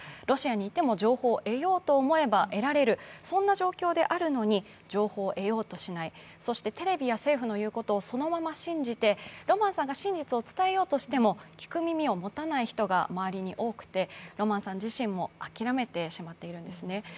ロシアにいても情報を得ようと思えば得られるそんな状況であるのに、情報を得ようとしない、そしてテレビや政府の言うことをそのまま信じて、ロマンさんが真実を伝えようとしても聞く耳を持たない人が周りに多くて、ロマンさん自身も諦めてしまっているんですね。